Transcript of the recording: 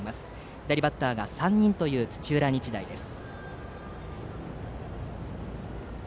左バッターが３人という土浦日大です。